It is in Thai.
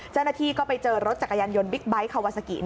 เจ้าหน้าที่ก็ไปเจอรถจักรยานยนต์บิ๊กไบท์คาวาซากิ